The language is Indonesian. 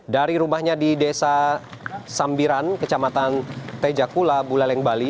dari rumahnya di desa sambiran kecamatan tejakula buleleng bali